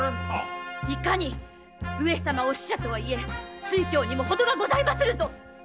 いかに上様御使者とはいえ酔狂にもほどがございまするぞ！